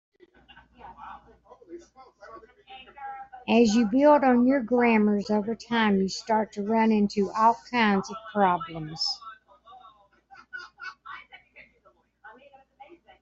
As you build on your grammars over time, you start to run into all kinds of problems.